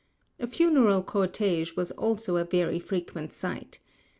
A funeral cortege was also a very frequent sight.